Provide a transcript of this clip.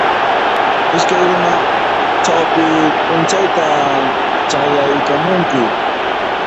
Iskay runa chawpi p'unchayta chayaykamunku